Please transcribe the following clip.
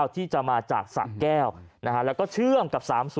ที่จะมาจากสะแก้วแล้วก็เชื่อมกับ๓๐